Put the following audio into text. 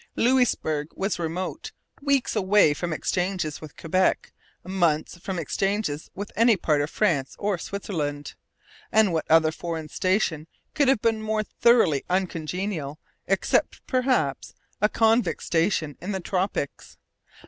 Louisbourg was remote, weeks away from exchanges with Quebec, months from exchanges with any part of France or Switzerland. And what other foreign station could have been more thoroughly uncongenial, except, perhaps, a convict station in the tropics?